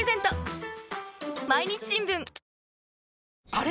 あれ？